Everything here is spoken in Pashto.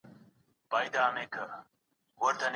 ویره د بریالیتوب خنډ مه ګرځوئ.